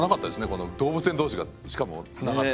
この動物園同士がしかもつながってるってのは。